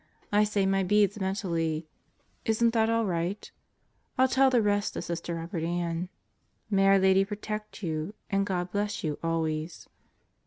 I say my beads mentally. Isn't that all right? I'll tell the rest to Sister Robert Ann. May our Lady protect you and God bless you always.